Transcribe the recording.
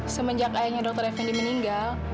semenjak ayahnya dokter effendy meninggal